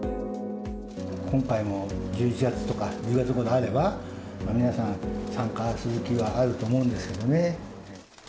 今回も１１月とか１０月頃であれば、皆さん、参加する気はあると思うんですけどね。